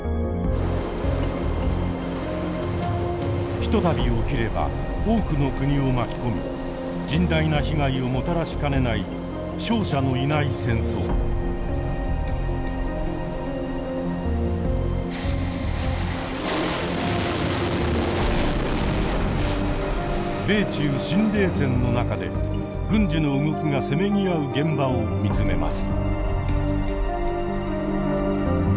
ひとたび起きれば多くの国を巻き込み甚大な被害をもたらしかねない米中“新冷戦”の中で軍事の動きがせめぎ合う現場を見つめます。